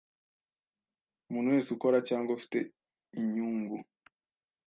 Umuntu wese ukora cyangwa ufite inyungu